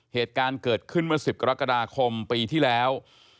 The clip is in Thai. เหตุการณ์เกิดขึ้นเมื่อ๑๐กรกฎาคมปีที่แล้ว